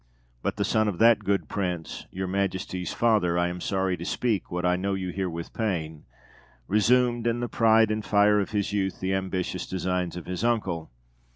But the son of that good prince, your Majesty's father (I am sorry to speak what I know you hear with pain), resumed, in the pride and fire of his youth, the ambitious designs of his uncle.